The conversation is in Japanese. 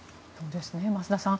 増田さん